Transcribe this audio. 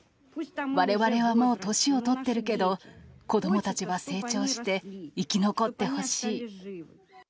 われわれはもう年を取ってるけど、子どもたちは成長して、生き残ってほしい。